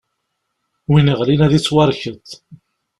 Win iɣlin ad ittwarkeḍ.